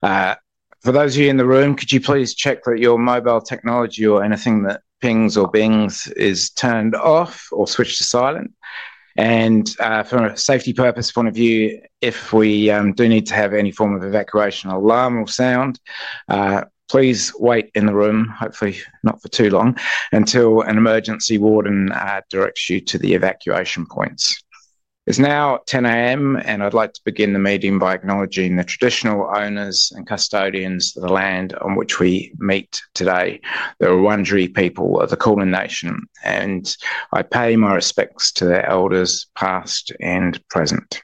For those of you in the room, could you please check that your mobile technology or anything that pings or bings is turned off or switched to silent? For a safety purpose point of view, if we do need to have any form of evacuation alarm or sound, please wait in the room, hopefully not for too long, until an emergency warden directs you to the evacuation points. It's now 10:00 A.M., and I'd like to begin the meeting by acknowledging the traditional owners and custodians of the land on which we meet today, the Wurundjeri people of the Kulin Nation, and I pay my respects to their elders past and present.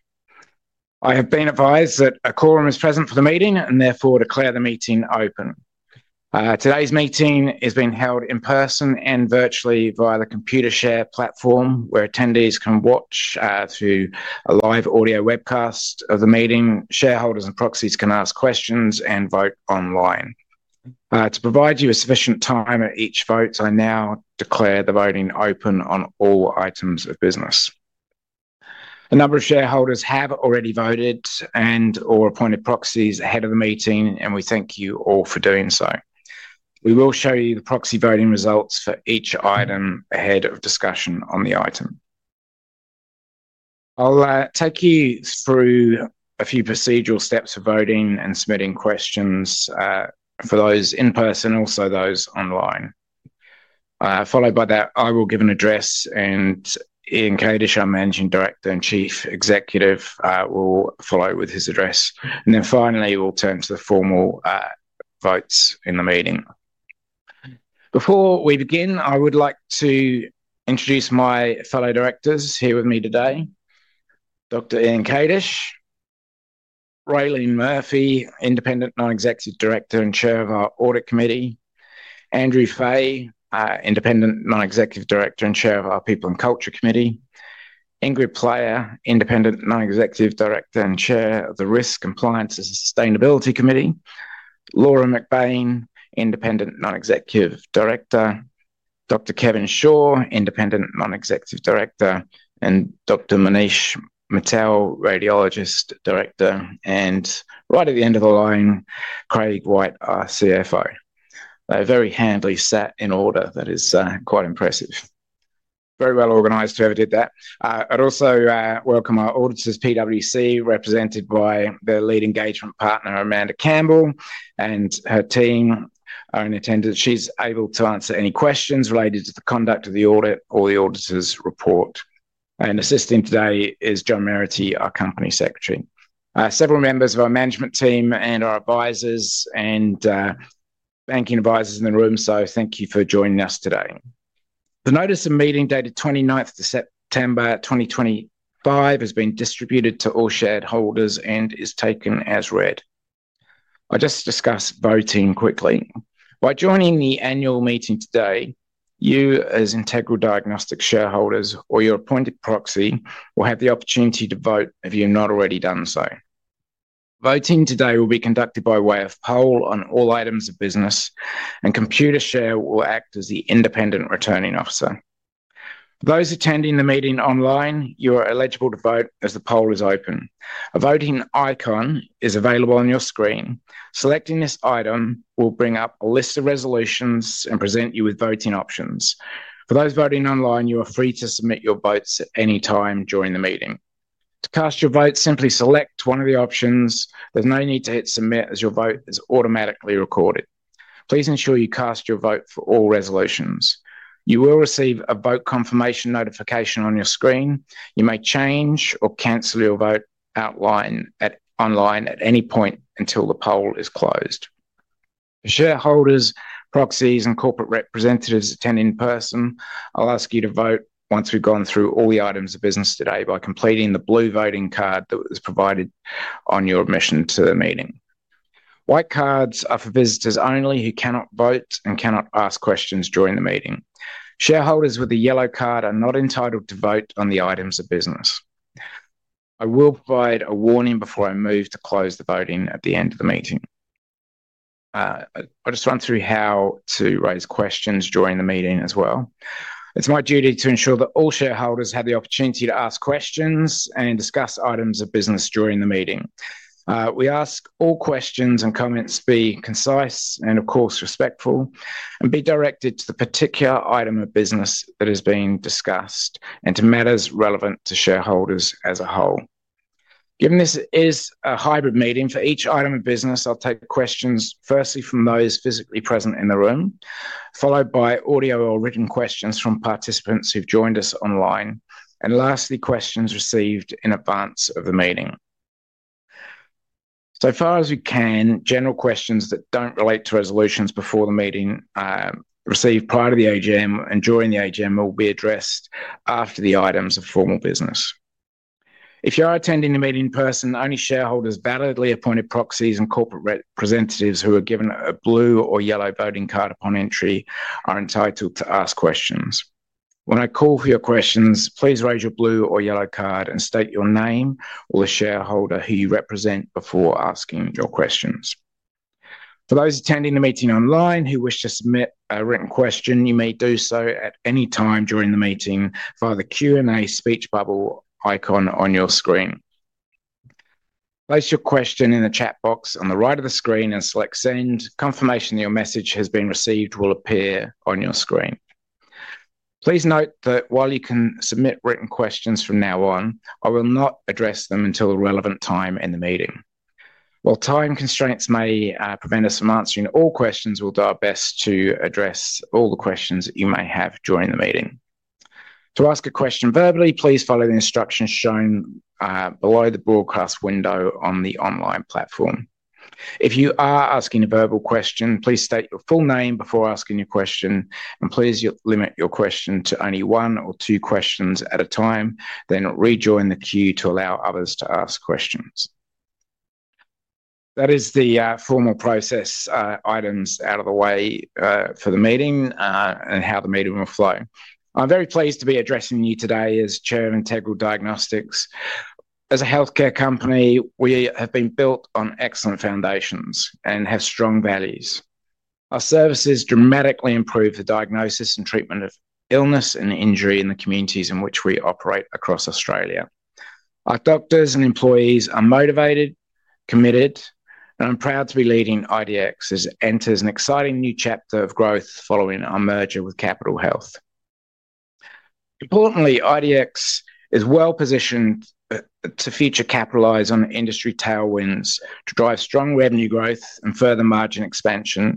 I have been advised that a quorum is present for the meeting and therefore declare the meeting open. Today's meeting is being held in person and virtually via the Computershare platform where attendees can watch through a live audio webcast of the meeting. Shareholders and proxies can ask questions and vote online. To provide you with sufficient time at each vote, I now declare the voting open on all items of business. A number of shareholders have already voted and/or appointed proxies ahead of the meeting, and we thank you all for doing so. We will show you the proxy voting results for each item ahead of discussion on the item. I'll take you through a few procedural steps for voting and submitting questions for those in person, also those online. Following that, I will give an address, and Dr. Ian Kadish, our Managing Director and CEO, will follow with his address. Finally, we'll turn to the formal votes in the meeting. Before we begin, I would like to introduce my fellow directors here with me today: Dr. Ian Kadish; Raelene Murphy, Independent Non-Executive Director and Chair of our Audit Committee; Andrew Fay, Independent Non-Executive Director and Chair of our People and Culture Committee; Ingrid Player, Independent Non-Executive Director and Chair of the Risk Compliance and Sustainability Committee; Laura McBain, Independent Non-Executive Director; Dr. Kevin Shaw, Independent Non-Executive Director; Dr. Manish Mittal, Radiologist Director; and right at the end of the line, Craig White, our CFO. They very handily sat in order. That is quite impressive. Very well organized whoever did that. I'd also welcome our auditors, PwC, represented by their lead engagement partner, Amanda Campbell, and her team. She's able to answer any questions related to the conduct of the audit or the auditor's report. Assisting today is John Merity, our Company Secretary. Several members of our management team and our advisors and banking advisors are in the room, so thank you for joining us today. The notice of meeting dated 29th September 2025 has been distributed to all shareholders and is taken as read. I'll just discuss voting quickly. By joining the annual meeting today, you as Integral Diagnostics shareholders or your appointed proxy will have the opportunity to vote if you've not already done so. Voting today will be conducted by way of poll on all items of business, and Computershare will act as the independent returning officer. For those attending the meeting online, you are eligible to vote as the poll is open. A voting icon is available on your screen. Selecting this item will bring up a list of resolutions and present you with voting options. For those voting online, you are free to submit your votes at any time during the meeting. To cast your vote, simply select one of the options. There's no need to hit submit as your vote is automatically recorded. Please ensure you cast your vote for all resolutions. You will receive a vote confirmation notification on your screen. You may change or cancel your vote online at any point until the poll is closed. For shareholders, proxies, and corporate representatives attending in person, I'll ask you to vote once we've gone through all the items of business today by completing the blue voting card that was provided on your admission to the meeting. White cards are for visitors only who cannot vote and cannot ask questions during the meeting. Shareholders with a yellow card are not entitled to vote on the items of business. I will provide a warning before I move to close the voting at the end of the meeting. I'll just run through how to raise questions during the meeting as well. It's my duty to ensure that all shareholders have the opportunity to ask questions and discuss items of business during the meeting. We ask all questions and comments be concise and, of course, respectful, and be directed to the particular item of business that is being discussed and to matters relevant to shareholders as a whole. Given this is a hybrid meeting, for each item of business, I'll take questions firstly from those physically present in the room, followed by audio or written questions from participants who've joined us online, and lastly, questions received in advance of the meeting. So far as we can, general questions that don't relate to resolutions before the meeting received prior to the AGM and during the AGM will be addressed after the items of formal business. If you are attending the meeting in person, only shareholders, validly appointed proxies, and corporate representatives who are given a blue or yellow voting card upon entry are entitled to ask questions. When I call for your questions, please raise your blue or yellow card and state your name or the shareholder who you represent before asking your questions. For those attending the meeting online who wish to submit a written question, you may do so at any time during the meeting via the Q&A speech bubble icon on your screen. Place your question in the chat box on the right of the screen and select Send. Confirmation that your message has been received will appear on your screen. Please note that while you can submit written questions from now on, I will not address them until the relevant time in the meeting. While time constraints may prevent us from answering all questions, we'll do our best to address all the questions that you may have during the meeting. To ask a question verbally, please follow the instructions shown below the broadcast window on the online platform. If you are asking a verbal question, please state your full name before asking your question, and please limit your question to only one or two questions at a time. Rejoin the queue to allow others to ask questions. That is the formal process items out of the way for the meeting and how the meeting will flow. I'm very pleased to be addressing you today as Chair of Integral Diagnostics. As a healthcare company, we have been built on excellent foundations and have strong values. Our services dramatically improve the diagnosis and treatment of illness and injury in the communities in which we operate across Australia. Our doctors and employees are motivated, committed, and I'm proud to be leading IDX as it enters an exciting new chapter of growth following our merger with Capital Health. Importantly, IDX is well positioned to future capitalize on industry tailwinds to drive strong revenue growth and further margin expansion,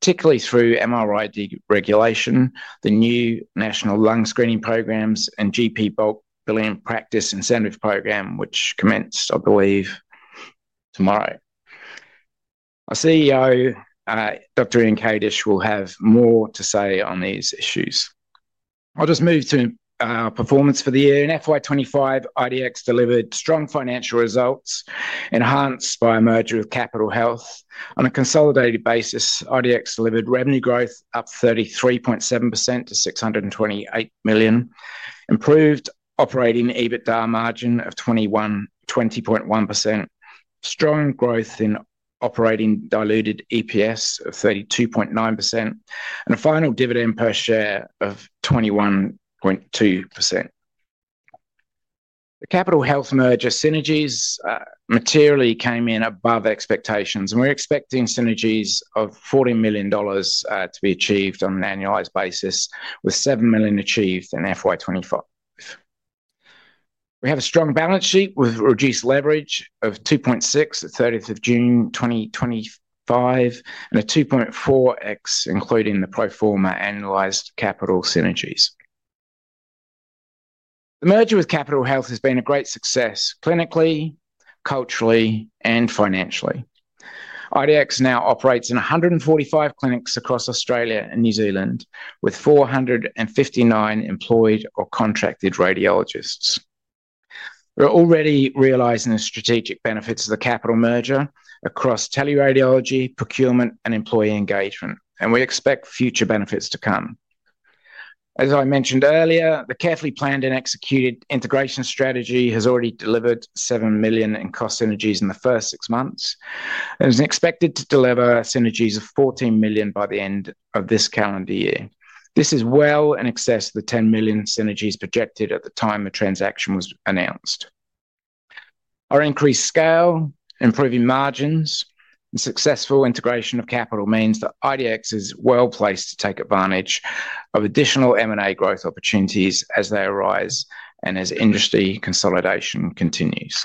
particularly through MRI deregulation, the new National Lung Cancer Screening Program, and GP bulk billing practice incentive program, which commenced, I believe, tomorrow. Our CEO, Dr. Ian Kadish, will have more to say on these issues. I'll just move to our performance for the year. In FY25, IDX delivered strong financial results enhanced by a merger with Capital Health. On a consolidated basis, IDX delivered revenue growth up 33.7% to $628 million, improved operating EBITDA margin of 20.1%. Strong growth in operating diluted EPS of 32.9%, and a final dividend per share of $0.212. The Capital Health merger synergies materially came in above expectations, and we're expecting synergies of $40 million to be achieved on an annualized basis, with $7 million achieved in FY25. We have a strong balance sheet with reduced leverage of 2.6 at June 30, 2025, and a 2.4x, including the pro forma annualized capital synergies. The merger with Capital Health has been a great success clinically, culturally, and financially. IDX now operates in 145 clinics across Australia and New Zealand, with 459 employed or contracted radiologists. We're already realizing the strategic benefits of the Capital Health merger across tele-radiology, procurement, and employee engagement, and we expect future benefits to come. As I mentioned earlier, the carefully planned and executed integration strategy has already delivered $7 million in cost synergies in the first six months and is expected to deliver synergies of $14 million by the end of this calendar year. This is well in excess of the $10 million synergies projected at the time the transaction was announced. Our increased scale, improving margins, and successful integration of Capital Health means that IDX is well placed to take advantage of additional M&A growth opportunities as they arise and as industry consolidation continues.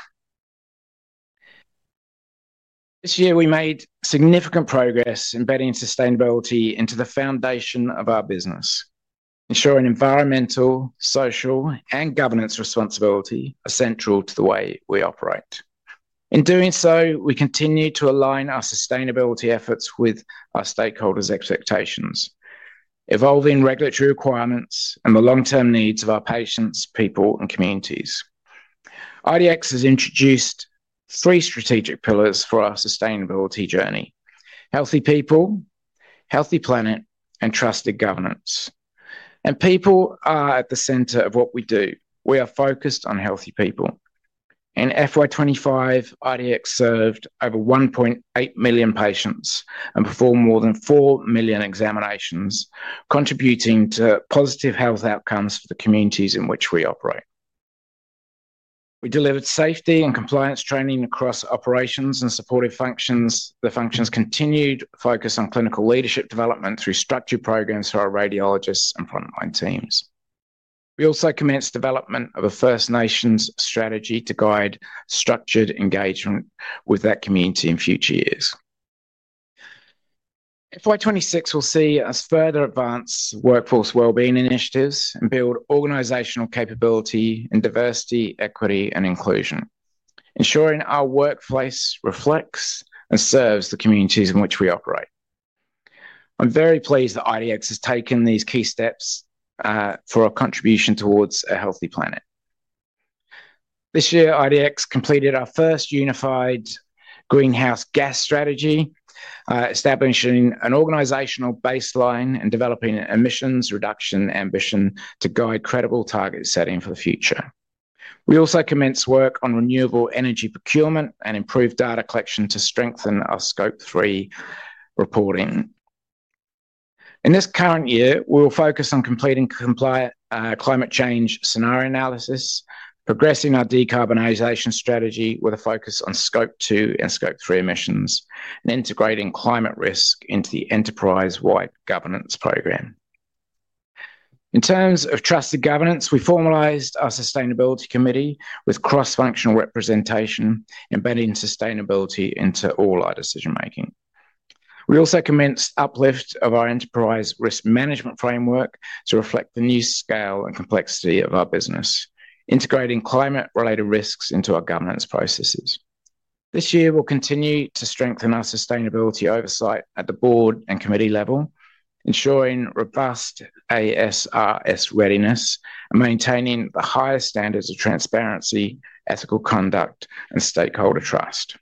This year, we made significant progress embedding sustainability into the foundation of our business. Ensuring environmental, social, and governance responsibility is central to the way we operate. In doing so, we continue to align our sustainability efforts with our stakeholders' expectations, evolving regulatory requirements, and the long-term needs of our patients, people, and communities. IDX has introduced three strategic pillars for our sustainability journey: healthy people, healthy planet, and trusted governance. People are at the center of what we do. We are focused on healthy people. In FY25, IDX served over 1.8 million patients and performed more than 4 million examinations, contributing to positive health outcomes for the communities in which we operate. We delivered safety and compliance training across operations and supportive functions. The functions continued focus on clinical leadership development through structured programs for our radiologists and frontline teams. We also commenced development of a First Nations strategy to guide structured engagement with that community in future years. FY26 will see us further advance workforce well-being initiatives and build organizational capability and diversity, equity, and inclusion, ensuring our workplace reflects and serves the communities in which we operate. I'm very pleased that IDX has taken these key steps for our contribution towards a healthy planet. This year, IDX completed our first unified greenhouse gas strategy, establishing an organizational baseline and developing an emissions reduction ambition to guide credible target setting for the future. We also commenced work on renewable energy procurement and improved data collection to strengthen our Scope 3 reporting. In this current year, we will focus on completing compliant climate change scenario analysis, progressing our decarbonization strategy with a focus on Scope 2 and Scope 3 emissions, and integrating climate risk into the enterprise-wide governance program. In terms of trusted governance, we formalized our Sustainability Committee with cross-functional representation, embedding sustainability into all our decision-making. We also commenced uplift of our enterprise risk management framework to reflect the new scale and complexity of our business, integrating climate-related risks into our governance processes. This year, we'll continue to strengthen our sustainability oversight at the board and committee level, ensuring robust ASRS readiness and maintaining the highest standards of transparency, ethical conduct, and stakeholder trust.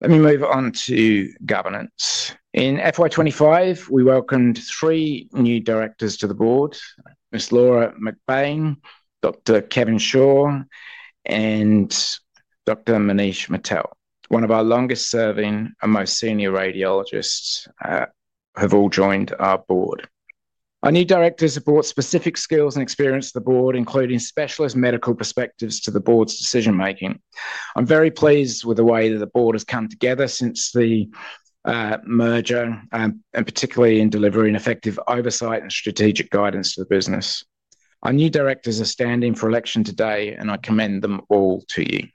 Let me move on to governance. In FY25, we welcomed three new directors to the board: Ms. Laura McBain, Dr. Kevin Shaw, and Dr. Manish Mittal, one of our longest-serving and most senior radiologists, who have all joined our board. Our new directors support specific skills and experience to the board, including specialist medical perspectives to the board's decision-making. I'm very pleased with the way that the board has come together since the merger, and particularly in delivering effective oversight and strategic guidance to the business. Our new directors are standing for election today, and I commend them all to you.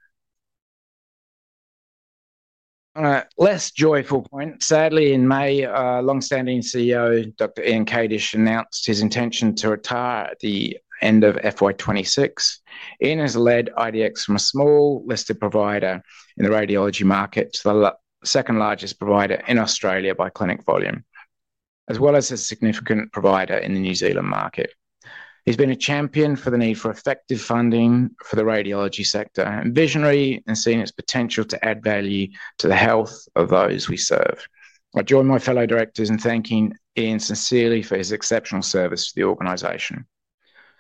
On a less joyful point, sadly, in May, our longstanding CEO, Dr. Ian Kadish announced his intention to retire at the end of FY26. Ian has led IDX from a small listed provider in the radiology market to the second-largest provider in Australia by clinic volume, as well as a significant provider in the New Zealand market. He's been a champion for the need for effective funding for the radiology sector, visionary, and seeing its potential to add value to the health of those we serve. I join my fellow directors in thanking Ian sincerely for his exceptional service to the organization.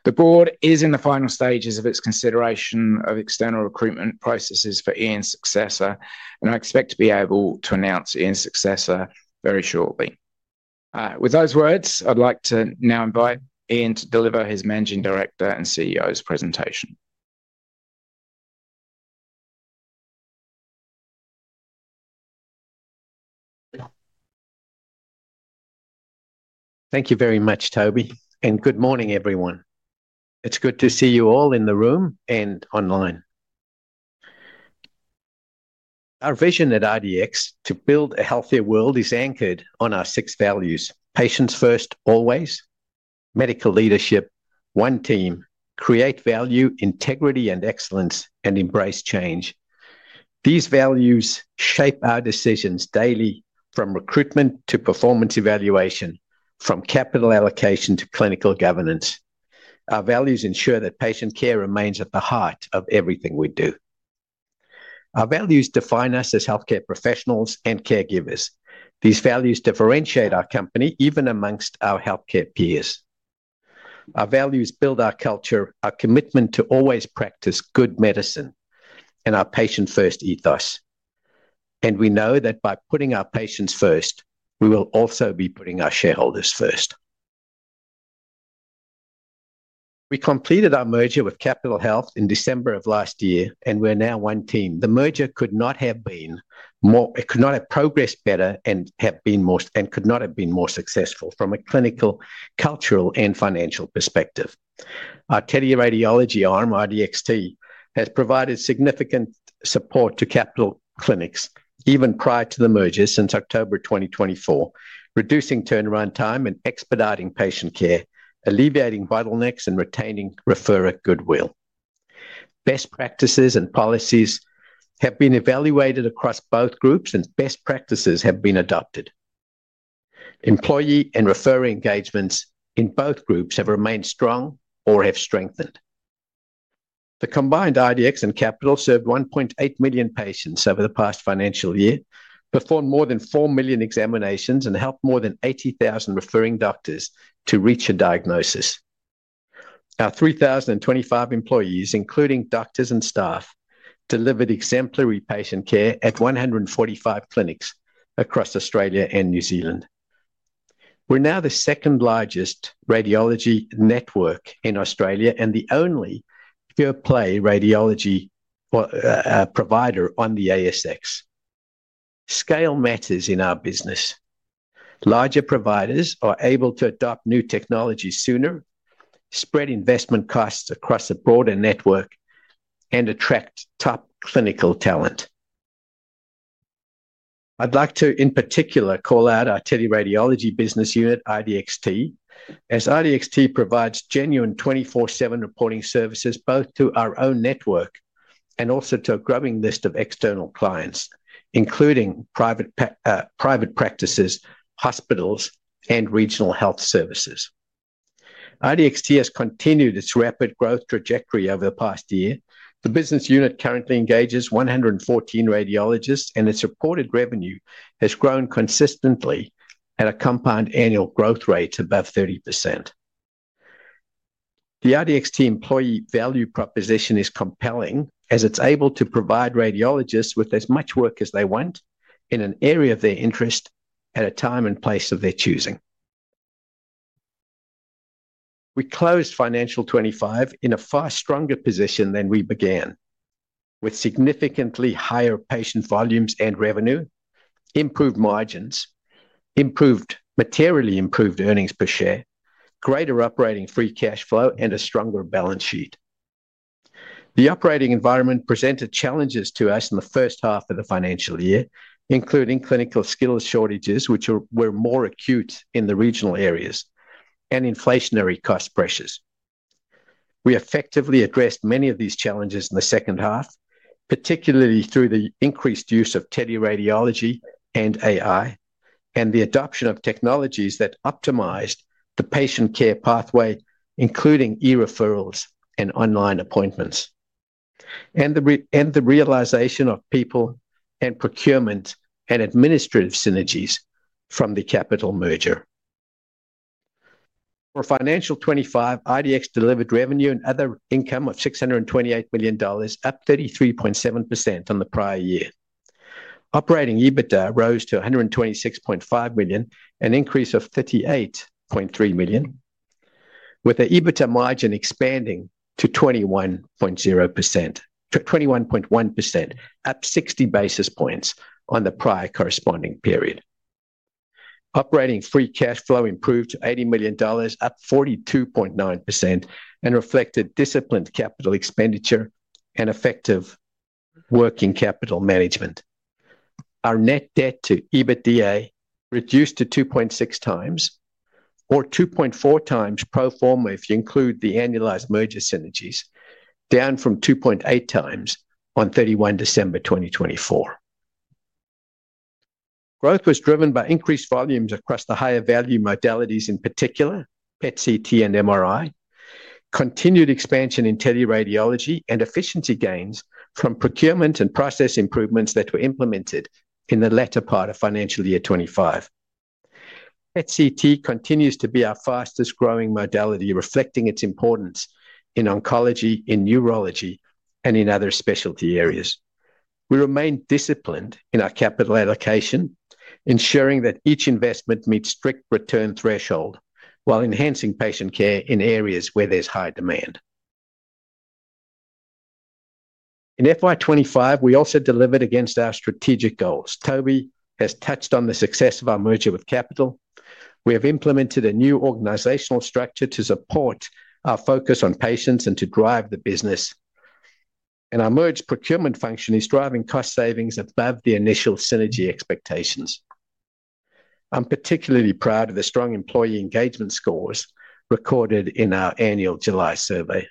The Board is in the final stages of its consideration of external recruitment processes for Ian's successor, and I expect to be able to announce Ian's successor very shortly. With those words, I'd like to now invite Ian to deliver his Managing Director and CEO's presentation. Thank you very much, Toby, and good morning, everyone. It's good to see you all in the room and online. Our vision at IDX to build a healthier world is anchored on our six values: patients first always, medical leadership, one team, create value, integrity and excellence, and embrace change. These values shape our decisions daily, from recruitment to performance evaluation, from capital allocation to clinical governance. Our values ensure that patient care remains at the heart of everything we do. Our values define us as healthcare professionals and caregivers. These values differentiate our company even amongst our healthcare peers. Our values build our culture, our commitment to always practice good medicine, and our patient-first ethos. We know that by putting our patients first, we will also be putting our shareholders first. We completed our merger with Capital Health in December of last year, and we're now one team. The merger could not have progressed better and could not have been more successful from a clinical, cultural, and financial perspective. Our tele-radiology arm, IDXT, has provided significant support to Capital clinics even prior to the merger since October 2024, reducing turnaround time and expediting patient care, alleviating bottlenecks, and retaining referrer goodwill. Best practices and policies have been evaluated across both groups, and best practices have been adopted. Employee and referrer engagements in both groups have remained strong or have strengthened. The combined IDX and Capital Health served 1.8 million patients over the past financial year, performed more than 4 million examinations, and helped more than 80,000 referring doctors to reach a diagnosis. Our 3,025 employees, including doctors and staff, delivered exemplary patient care at 145 clinics across Australia and New Zealand. We're now the second-largest radiology network in Australia and the only pure play radiology provider on the ASX. Scale matters in our business. Larger providers are able to adopt new technology sooner, spread investment costs across a broader network, and attract top clinical talent. I'd like to, in particular, call out our tele-radiology business unit, IDXT, as IDXT provides genuine 24/7 reporting services both to our own network and also to a growing list of external clients, including private practices, hospitals, and regional health services. IDXT has continued its rapid growth trajectory over the past year. The business unit currently engages 114 radiologists, and its reported revenue has grown consistently at a CAGR above 30%. The IDXT employee value proposition is compelling as it's able to provide radiologists with as much work as they want in an area of their interest at a time and place of their choosing. We closed financial 25 in a far stronger position than we began, with significantly higher patient volumes and revenue, improved margins, materially improved earnings per share, greater operating free cash flow, and a stronger balance sheet. The operating environment presented challenges to us in the first half of the financial year, including clinical skills shortages, which were more acute in the regional areas, and inflationary cost pressures. We effectively addressed many of these challenges in the second half, particularly through the increased use of tele-radiology and AI, and the adoption of technologies that optimized the patient care pathway, including e-referrals and online appointments, and the realization of people and procurement and administrative synergies from the Capital Health merger. For financial 25, IDX delivered revenue and other income of $628 million, up 33.7% on the prior year. Operating EBITDA rose to $126.5 million, an increase of $38.3 million, with an EBITDA margin expanding to 21.1%, up 60 basis points on the prior corresponding period. Operating free cash flow improved to $80 million, up 42.9%, and reflected disciplined capital expenditure and effective working capital management. Our net debt to EBITDA reduced to 2.6 times, or 2.4 times pro forma if you include the annualized merger synergies, down from 2.8 times on 31 December 2024. Growth was driven by increased volumes across the higher value modalities, in particular PET/CT and MRI. Continued expansion in tele-radiology and efficiency gains from procurement and process improvements that were implemented in the latter part of financial year 25. PET/CT continues to be our fastest-growing modality, reflecting its importance in oncology, in neurology, and in other specialty areas. We remain disciplined in our capital allocation, ensuring that each investment meets strict return thresholds while enhancing patient care in areas where there's high demand. In FY25, we also delivered against our strategic goals. Toby has touched on the success of our merger with Capital Health. We have implemented a new organizational structure to support our focus on patients and to drive the business, and our merged procurement function is driving cost savings above the initial synergy expectations. I'm particularly proud of the strong employee engagement scores recorded in our annual July survey.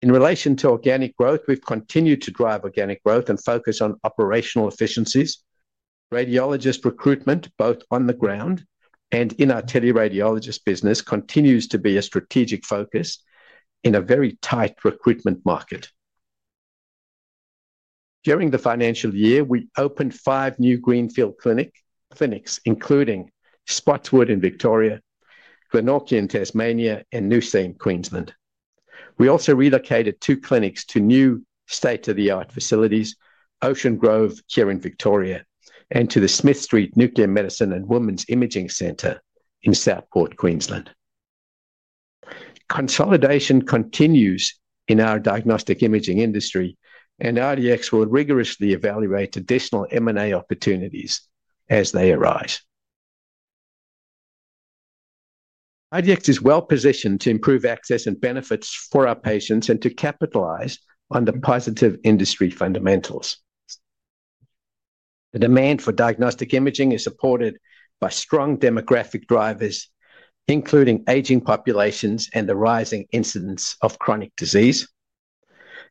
In relation to organic growth, we've continued to drive organic growth and focus on operational efficiencies. Radiologist recruitment, both on the ground and in our tele-radiologist business, continues to be a strategic focus in a very tight recruitment market. During the financial year, we opened five new greenfield clinics, including Spotswood in Victoria, Glenorchy in Tasmania, and Noosa in Queensland. We also relocated two clinics to new state-of-the-art facilities: Ocean Grove here in Victoria, and to the Smith Street Nuclear Medicine and Women's Imaging Center in Southport, Queensland. Consolidation continues in our diagnostic imaging industry, and IDX will rigorously evaluate additional M&A opportunities as they arise. IDX is well-positioned to improve access and benefits for our patients and to capitalize on the positive industry fundamentals. The demand for diagnostic imaging is supported by strong demographic drivers, including aging populations and the rising incidence of chronic disease,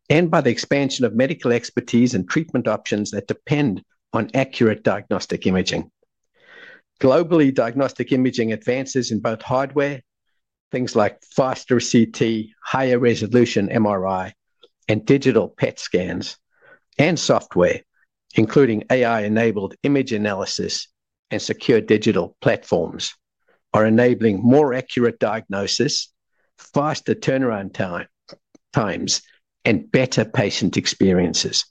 and by the expansion of medical expertise and treatment options that depend on accurate diagnostic imaging. Globally, diagnostic imaging advances in both hardware, things like faster CT, higher resolution MRI, and digital PET scans, and software, including AI-enabled image analysis and secure digital platforms, are enabling more accurate diagnosis, faster turnaround times, and better patient experiences.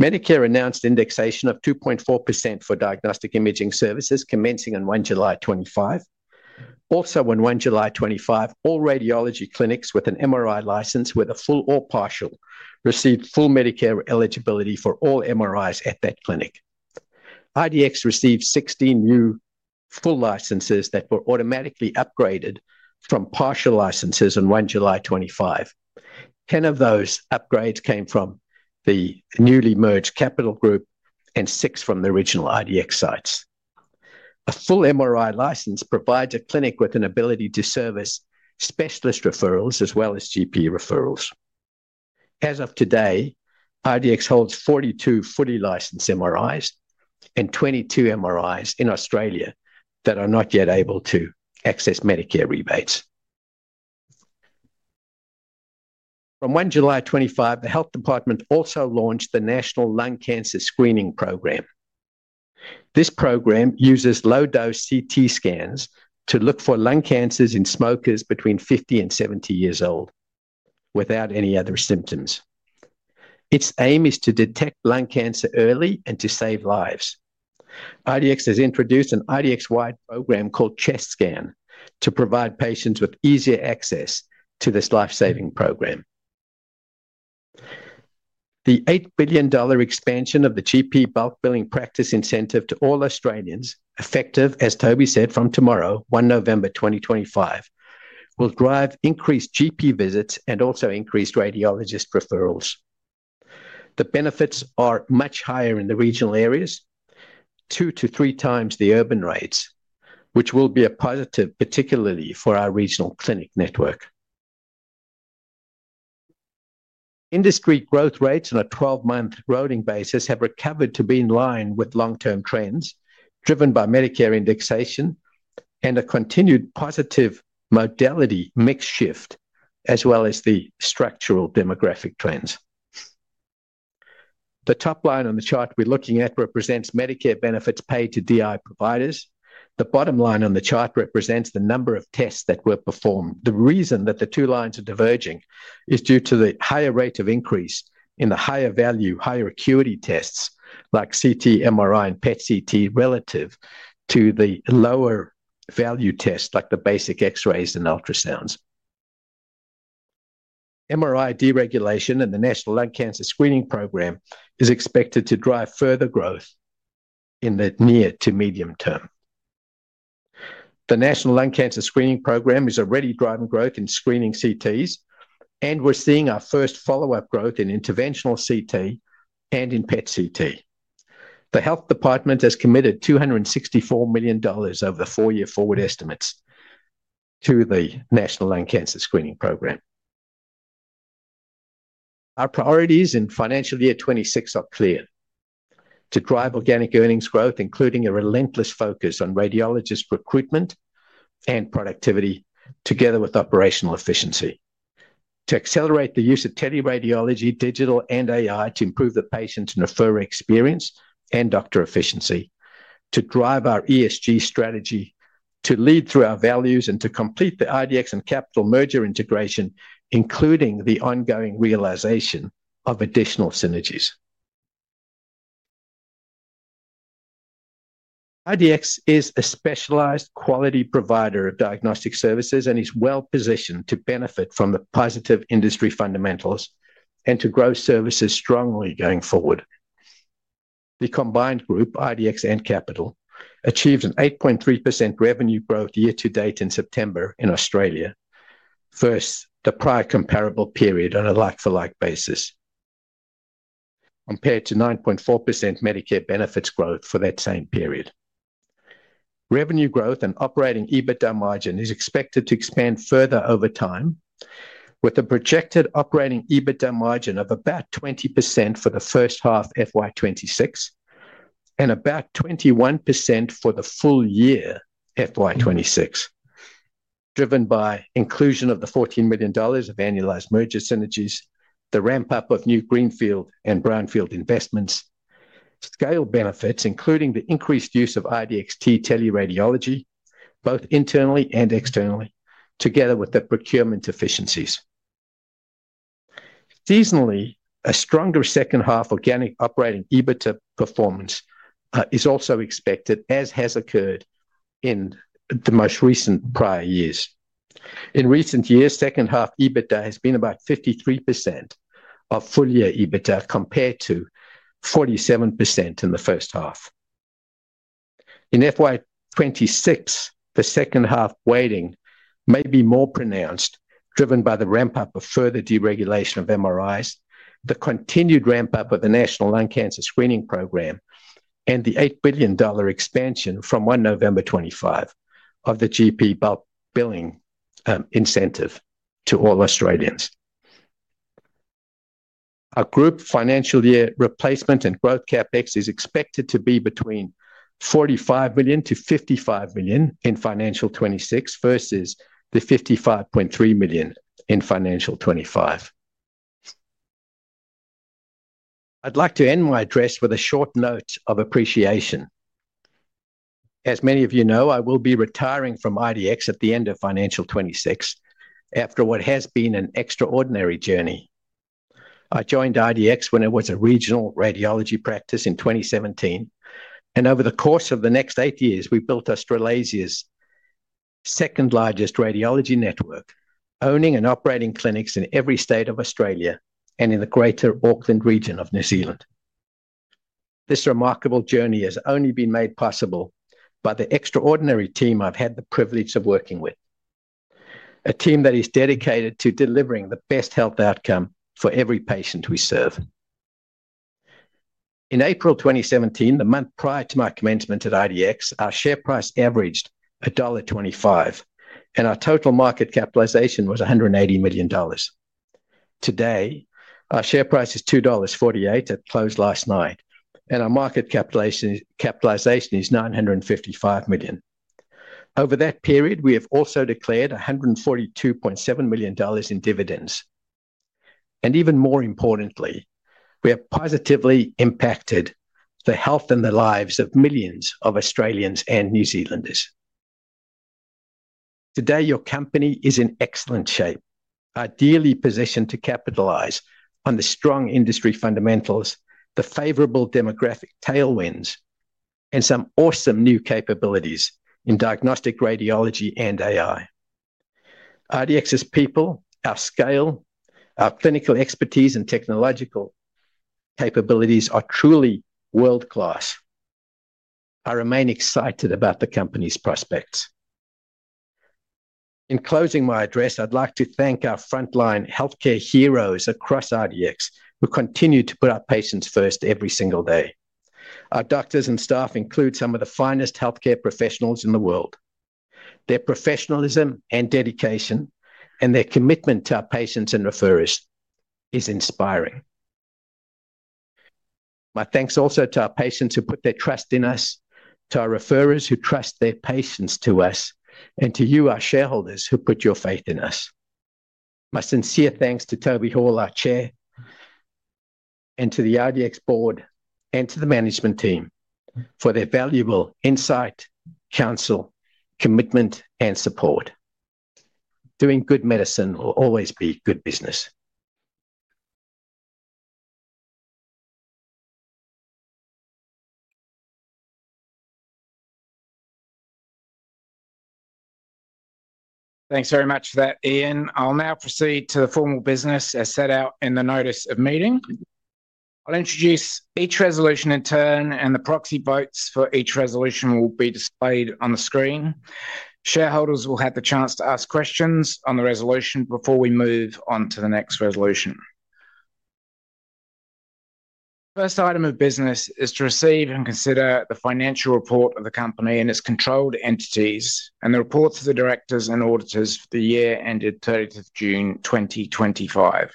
Medicare announced indexation of 2.4% for diagnostic imaging services, commencing on July 1, 2025. Also, on July 1, 2025, all radiology clinics with an MRI license, whether full or partial, received full Medicare eligibility for all MRIs at that clinic. IDX received 16 new full licenses that were automatically upgraded from partial licenses on July 1, 2025. Ten of those upgrades came from the newly merged Capital Health and six from the original IDX sites. A full MRI license provides a clinic with an ability to service specialist referrals as well as GP referrals. As of today, IDX holds 42 fully licensed MRIs and 22 MRIs in Australia that are not yet able to access Medicare rebates. From July 1, 2025, the Health Department also launched the National Lung Cancer Screening Program. This program uses low-dose CT scans to look for lung cancers in smokers between 50 and 70 years old without any other symptoms. Its aim is to detect lung cancer early and to save lives. IDX has introduced an IDX-wide program called Chest Scan to provide patients with easier access to this lifesaving program. The $8 billion expansion of the GP bulk billing practice incentive to all Australians, effective, as Toby said, from tomorrow, November 1, 2025, will drive increased GP visits and also increased radiologist referrals. The benefits are much higher in the regional areas, two to three times the urban rates, which will be a positive, particularly for our regional clinic network. Industry growth rates on a 12-month rolling basis have recovered to be in line with long-term trends driven by Medicare indexation and a continued positive modality mix shift, as well as the structural demographic trends. The top line on the chart we're looking at represents Medicare benefits paid to DI providers. The bottom line on the chart represents the number of tests that were performed. The reason that the two lines are diverging is due to the higher rate of increase in the higher value, higher acuity tests like CT, MRI, and PET/CT relative to the lower value tests like the basic x-rays and ultrasounds. MRI deregulation and the National Lung Cancer Screening Program is expected to drive further growth. In the near to medium term, the National Lung Cancer Screening Program is already driving growth in screening CTs, and we're seeing our first follow-up growth in interventional CT and in PET/CT. The Health Department has committed $264 million over the four-year forward estimates to the National Lung Cancer Screening Program. Our priorities in financial year 2026 are clear: to drive organic earnings growth, including a relentless focus on radiologist recruitment and productivity together with operational efficiency; to accelerate the use of tele-radiology, digital, and AI to improve the patient's referrer experience and doctor efficiency; to drive our ESG strategy; to lead through our values; and to complete the IDX and Capital Health merger integration, including the ongoing realization of additional synergies. IDX is a specialized quality provider of diagnostic services and is well-positioned to benefit from the positive industry fundamentals and to grow services strongly going forward. The combined group, IDX and Capital Health, achieved an 8.3% revenue growth year-to-date in September in Australia, versus the prior comparable period on a like-for-like basis, compared to 9.4% Medicare benefits growth for that same period. Revenue growth and operating EBITDA margin is expected to expand further over time, with a projected operating EBITDA margin of about 20% for the first half of FY26 and about 21% for the full year FY26, driven by inclusion of the $14 million of annualized merger synergies, the ramp-up of new greenfield and brownfield investments, scale benefits including the increased use of IDX tele-radiology both internally and externally, together with the procurement efficiencies. Seasonally, a stronger second half organic operating EBITDA performance is also expected, as has occurred in the most recent prior years. In recent years, second half EBITDA has been about 53% of full year EBITDA compared to 47% in the first half. In FY26, the second half weighting may be more pronounced, driven by the ramp-up of further deregulation of MRIs, the continued ramp-up of the National Lung Cancer Screening Program, and the $8 billion expansion from 1 November 2025 of the GP bulk billing incentive to all Australians. Our group financial year replacement and growth CapEx is expected to be between $45 million-$55 million in financial 2026 versus the $55.3 million in financial 2025. I'd like to end my address with a short note of appreciation. As many of you know, I will be retiring from IDX at the end of FY26 after what has been an extraordinary journey. I joined IDX when it was a regional radiology practice in 2017, and over the course of the next eight years, we built Australia's second largest radiology network, owning and operating clinics in every state of Australia and in the greater Auckland region of New Zealand. This remarkable journey has only been made possible by the extraordinary team I've had the privilege of working with, a team that is dedicated to delivering the best health outcome for every patient we serve. In April 2017, the month prior to my commencement at IDX, our share price averaged $1.25, and our total market capitalization was $180 million. Today, our share price is $2.48 at close last night, and our market capitalization is $955 million. Over that period, we have also declared $142.7 million in dividends. Even more importantly, we have positively impacted the health and the lives of millions of Australians and New Zealanders. Today, your company is in excellent shape, ideally positioned to capitalize on the strong industry fundamentals, the favorable demographic tailwinds, and some awesome new capabilities in diagnostic radiology and AI. IDX's people, our scale, our clinical expertise, and technological capabilities are truly world-class. I remain excited about the company's prospects. In closing my address, I'd like to thank our frontline healthcare heroes across IDX, who continue to put our patients first every single day. Our doctors and staff include some of the finest healthcare professionals in the world. Their professionalism and dedication and their commitment to our patients and referrers is inspiring. My thanks also to our patients who put their trust in us, to our referrers who trust their patients to us, and to you, our shareholders, who put your faith in us. My sincere thanks to Toby Hall, our Chair, and to the IDX board and to the management team for their valuable insight, counsel, commitment, and support. Doing good medicine will always be good business. Thanks very much for that, Ian. I'll now proceed to the formal business as set out in the notice of meeting. I'll introduce each resolution in turn, and the proxy votes for each resolution will be displayed on the screen. Shareholders will have the chance to ask questions on the resolution before we move on to the next resolution. The first item of business is to receive and consider the financial report of the company and its controlled entities and the reports of the directors and auditors for the year ended 30th June 2025.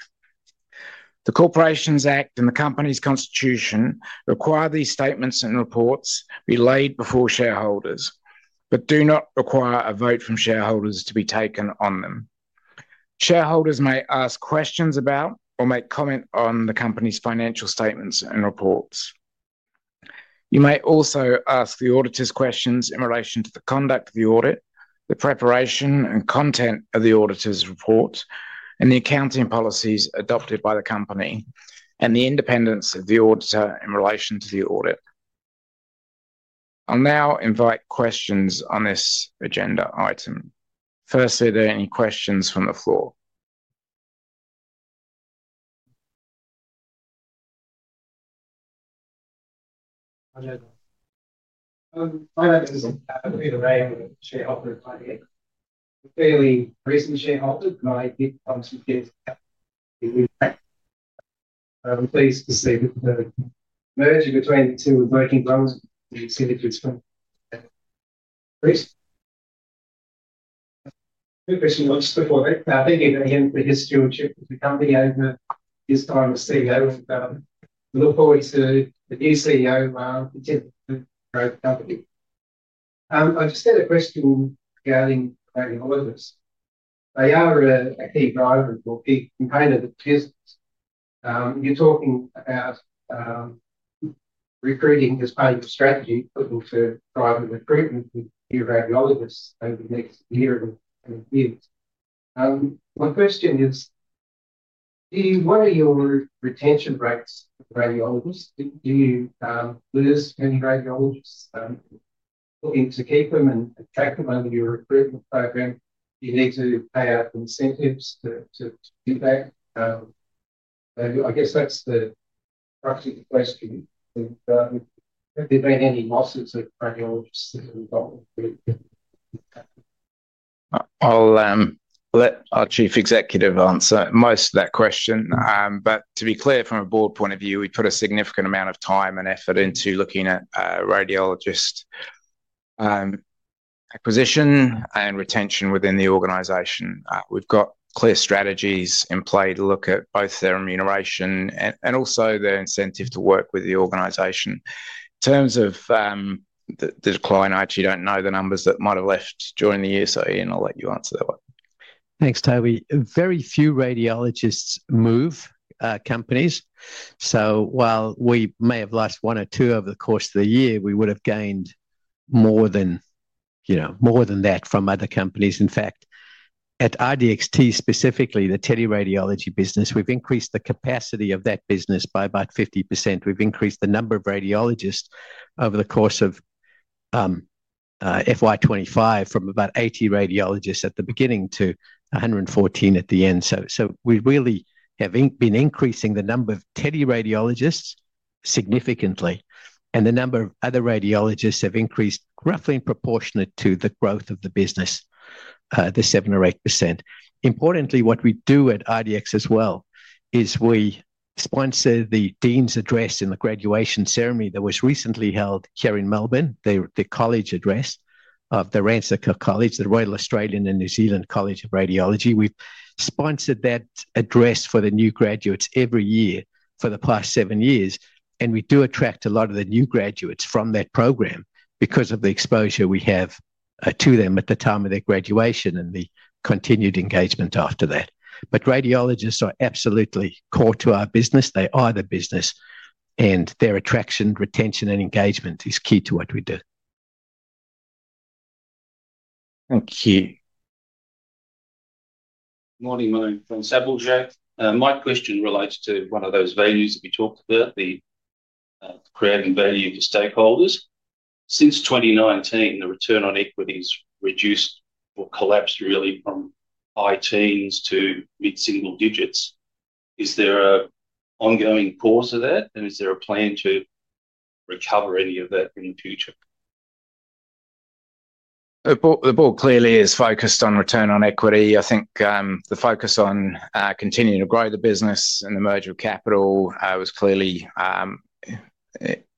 The Corporations Act and the company's constitution require these statements and reports be laid before shareholders, but do not require a vote from shareholders to be taken on them. Shareholders may ask questions about or make comments on the company's financial statements and reports. You may also ask the auditors questions in relation to the conduct of the audit, the preparation and content of the auditor's report, and the accounting policies adopted by the company, and the independence of the auditor in relation to the audit. I'll now invite questions on this agenda item. Firstly, are there any questions from the floor? My name is Peter Rain, shareholder of IDX. Fairly recent shareholder.I did come to visit. I'm pleased to see the merger between the two working groups and the CDPs from. Two questions just before that. Thank you again for his stewardship of the company over his time as CEO. We look forward to the new CEO continuing to grow the company. I just had a question regarding radiologists. They are a key driver or key component of the business. You're talking about recruiting as part of your strategy, looking to drive recruitment with new radiologists over the next year and a few years. My question is, what are your retention rates for radiologists? Do you lose any radiologists? Looking to keep them and attract them under your recruitment program? Do you need to pay out incentives to do that? I guess that's the proxy question. Have there been any losses of radiologists involved? I'll let our Chief Executive answer most of that question. To be clear, from a board point of view, we put a significant amount of time and effort into looking at radiologist acquisition and retention within the organization. We've got clear strategies in play to look at both their remuneration and also their incentive to work with the organization. In terms of the decline, I actually don't know the numbers that might have left during the year. Ian, I'll let you answer that one. Thanks, Toby. Very few radiologists move companies. While we may have lost one or two over the course of the year, we would have gained more than that from other companies. In fact, at IDXT specifically, the tele-radiology business, we've increased the capacity of that business by about 50%. We've increased the number of radiologists over the course of FY25 from about 80 radiologists at the beginning to 114 at the end. We really have been increasing the number of tele-radiologists significantly, and the number of other radiologists have increased roughly in proportion to the growth of the business, the 7 or 8%. Importantly, what we do at IDX as well is we sponsor the Dean's Address and the graduation ceremony that was recently held here in Melbourne, the college address of the Royal Australian and New Zealand College of Radiologists. We've sponsored that address for the new graduates every year for the past seven years, and we do attract a lot of the new graduates from that program because of the exposure we have to them at the time of their graduation and the continued engagement after that. Radiologists are absolutely core to our business. They are the business. Their attraction, retention, and engagement is key to what we do. Thank you. Good morning, Marie from SableJack. My question relates to one of those values that we talked about, creating value for stakeholders. Since 2019, the return on equity has reduced or collapsed really from high teens to mid-single digits. Is there an ongoing cause of that, and is there a plan to recover any of that in the future? The board clearly is focused on return on equity. I think the focus on continuing to grow the business and the merger of Capital Health was clearly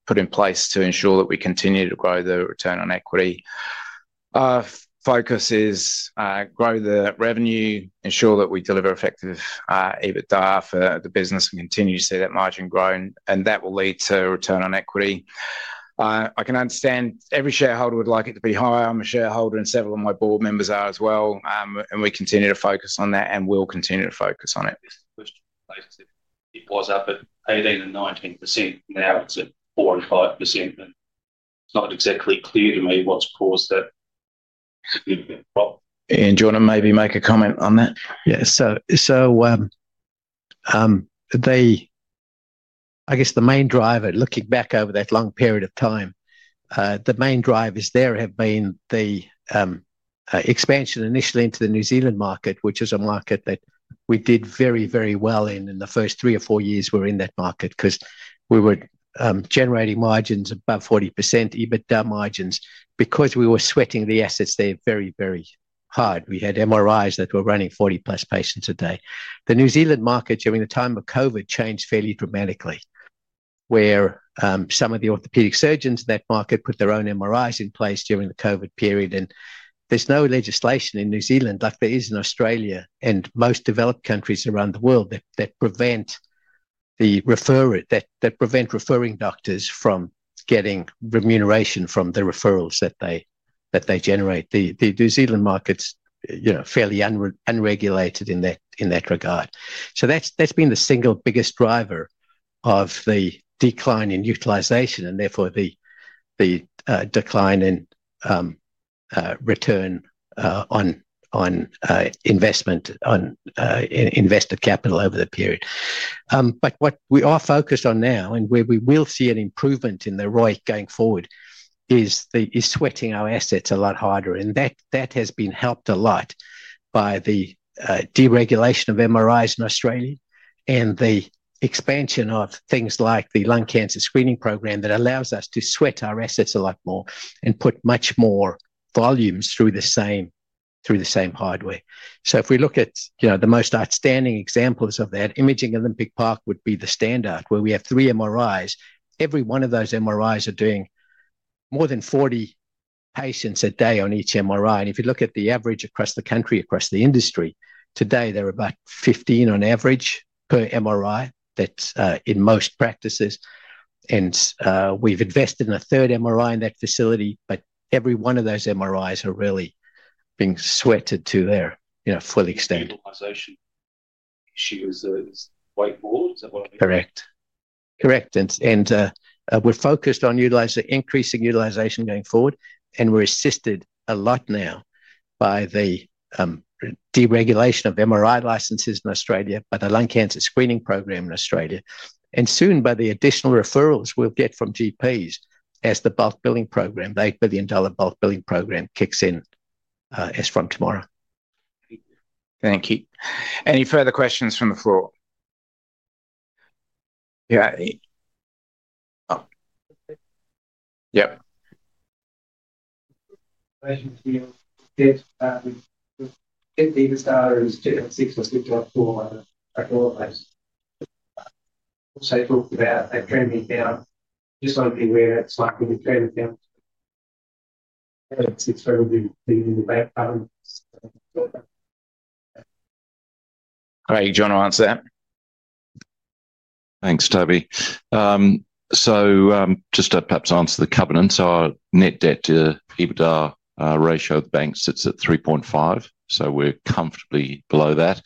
put in place to ensure that we continue to grow the return on equity. Our focus is to grow the revenue, ensure that we deliver effective EBITDA for the business, and continue to see that margin grown, and that will lead to return on equity. I can understand every shareholder would like it to be higher. I'm a shareholder, and several of my board members are as well. We continue to focus on that, and we'll continue to focus on it.. This question was placed. It was up at 18% and 19%. Now it's at 45%. It's not exactly clear to me what's caused that significant drop. Ian, do you want to maybe make a comment on that? Yeah. I guess the main driver, looking back over that long period of time, the main driver has been the expansion initially into the New Zealand market, which is a market that we did very, very well in. In the first three or four years, we were in that market because we were generating margins above 40%, EBITDA margins, because we were sweating the assets there very, very hard. We had MRIs that were running 40-plus patients a day. The New Zealand market during the time of COVID changed fairly dramatically, where some of the orthopedic surgeons in that market put their own MRIs in place during the COVID period. There's no legislation in New Zealand like there is in Australia and most developed countries around the world that prevent referring doctors from getting remuneration from the referrals that they generate. The New Zealand market's fairly unregulated in that regard. That's been the single biggest driver of the decline in utilization and therefore the decline in return on investment, on invested capital over the period. What we are focused on now, and where we will see an improvement in the right going forward, is sweating our assets a lot harder. That has been helped a lot by the deregulation of MRIs in Australia and the expansion of things like the National Lung Cancer Screening Program that allows us to sweat our assets a lot more and put much more volumes through the same hardware. If we look at the most outstanding examples of that, Imaging Olympic Park would be the standard, where we have three MRIs. Every one of those MRIs is doing more than 40 patients a day on each MRI. If you look at the average across the country, across the industry, today they're about 15 on average per MRI. That's in most practices. We've invested in a third MRI in that facility, but every one of those MRIs are really being sweated to their full extent. Utilization issues as whiteboards. Correct. Correct. We're focused on increasing utilization going forward, and we're assisted a lot now by the deregulation of MRI licenses in Australia, by the National Lung Cancer Screening Program in Australia, and soon by the additional referrals we'll get from GPs as the bulk billing program, the $8 billion bulk billing program, kicks in as from tomorrow. Thank you. Any further questions from the floor? Yeah. We did. Deepest data is 2.6 or 2.4 on the record base. Also talked about a trending down. Just want to be aware that it's likely to trend down. 6.7 in the back covenants. John, do you want to answer that? Thanks, Toby. Just to perhaps answer the covenants, our net debt-to-EBITDA ratio at the bank sits at 3.5, so we're comfortably below that.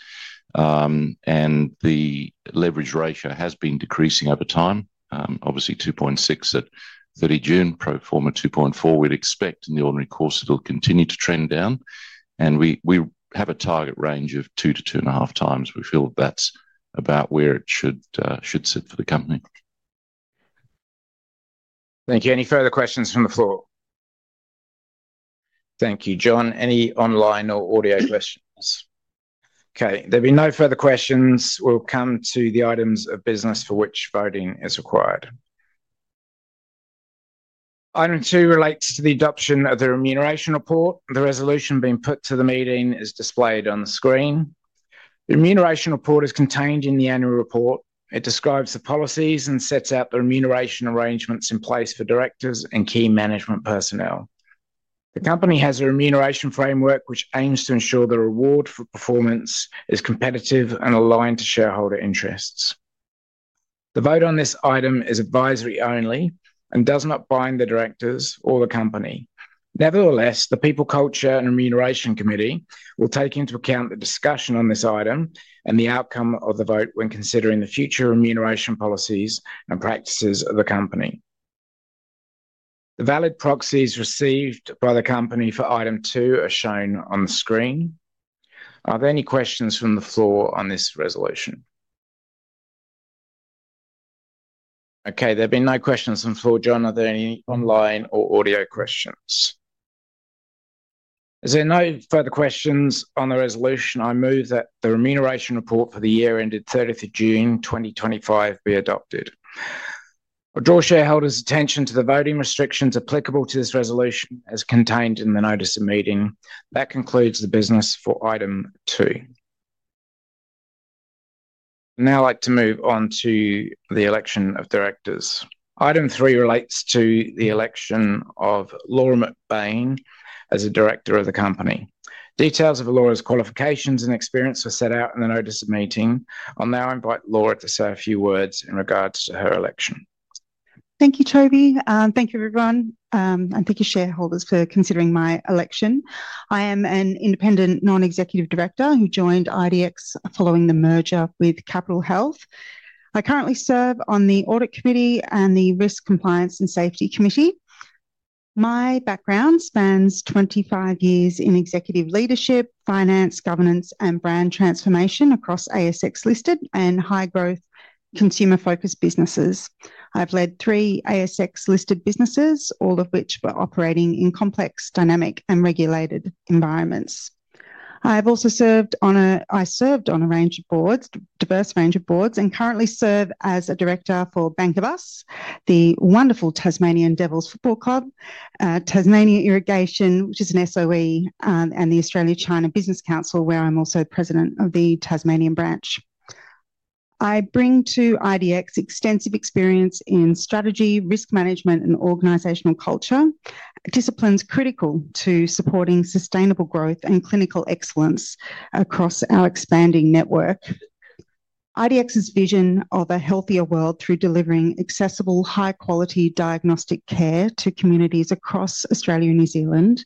The leverage ratio has been decreasing over time. Obviously, 2.6 at 30 June, pro forma 2.4, we'd expect in the ordinary course it'll continue to trend down. We have a target range of two to two and a half times. We feel that that's about where it should sit for the company. Thank you. Any further questions from the floor? Thank you, John. Any online or audio questions? Okay. There'll be no further questions. We'll come to the items of business for which voting is required. Item two relates to the adoption of the remuneration report. The resolution being put to the meeting is displayed on the screen. The remuneration report is contained in the annual report. It describes the policies and sets out the remuneration arrangements in place for directors and key management personnel. The company has a remuneration framework which aims to ensure the reward for performance is competitive and aligned to shareholder interests. The vote on this item is advisory only and does not bind the directors or the company. Nevertheless, the People, Culture and Remuneration Committee will take into account the discussion on this item and the outcome of the vote when considering the future remuneration policies and practices of the company. The valid proxies received by the company for item two are shown on the screen. Are there any questions from the floor on this resolution? Okay. There've been no questions from the floor. John, are there any online or audio questions? As there are no further questions on the resolution, I move that the remuneration report for the year ended 30 June 2025 be adopted. I'll draw shareholders' attention to the voting restrictions applicable to this resolution as contained in the notice of meeting. That concludes the business for item two. I'd now like to move on to the election of directors. Item three relates to the election of Laura McBain as a director of the company. Details of Laura's qualifications and experience were set out in the notice of meeting. I'll now invite Laura to say a few words in regards to her election. Thank you, Toby. Thank you, everyone. And thank you, shareholders, for considering my election. I am an independent non-executive director who joined Integral Diagnostics Ltd following the merger with Capital Health. I currently serve on the Audit Committee and the Risk Compliance and Safety Committee. My background spans 25 years in executive leadership, finance, governance, and brand transformation across ASX-listed and high-growth consumer-focused businesses. I've led three ASX-listed businesses, all of which were operating in complex, dynamic, and regulated environments. I've also served on a range of boards, a diverse range of boards, and currently serve as a director for Bank of Us, the wonderful Tasmanian Devils Football Club, Tasmanian Irrigation, which is an SOE, and the Australia-China Business Council, where I'm also the president of the Tasmanian branch. I bring to IDX extensive experience in strategy, risk management, and organizational culture, disciplines critical to supporting sustainable growth and clinical excellence across our expanding network. IDX's vision of a healthier world through delivering accessible, high-quality diagnostic care to communities across Australia and New Zealand